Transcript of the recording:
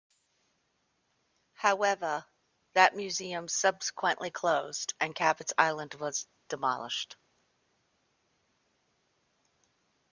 However, that museum subsequently closed and "Cabot"s island was demolished.